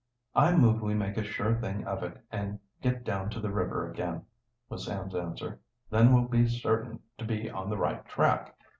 "I move we make a sure thing of it and get down to the river again," was Sam's answer. "Then we'll be certain to be on the right track.